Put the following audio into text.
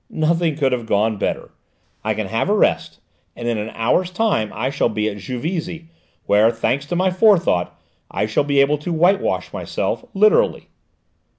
"Nothing could have gone better: I can have a rest, and in an hour's time I shall be at Juvisy, where, thanks to my forethought, I shall be able to whitewash myself literally."